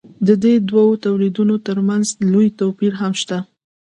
د دې دوو تولیدونو ترمنځ لوی توپیر هم شته.